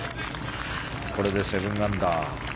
これで７アンダー。